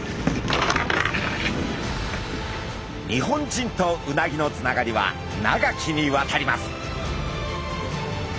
日本人とうなぎのつながりは長きにわたります。